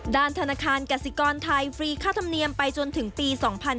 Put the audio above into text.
ธนาคารกสิกรไทยฟรีค่าธรรมเนียมไปจนถึงปี๒๕๕๙